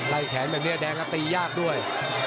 ไล่แขนแบบนี้แดงแล้วตียากด้วย